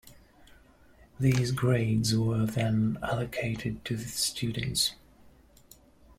These grades were then allocated to the students.